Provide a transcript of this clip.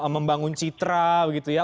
membangun citra gitu ya